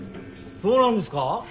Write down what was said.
そうなんですか？